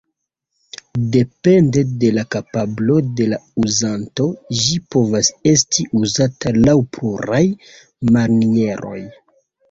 Depende de la kapablo de la uzanto, ĝi povas esti uzata laŭ pluraj manieroj.